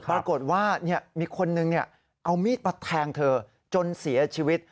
ปรากฏว่ามีคนนึงเอามีดมาแทงเธอจนเสียชีวิต